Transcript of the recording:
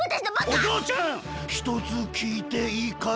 おじょうちゃんひとつきいていいかい？